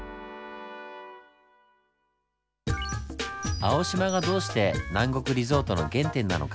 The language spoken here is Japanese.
青島がどうして南国リゾートの原点なのか？